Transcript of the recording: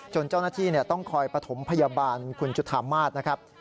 เจ้าหน้าที่ต้องคอยปฐมพยาบาลคุณจุธามาศนะครับ